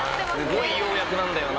すごい要約なんだよな。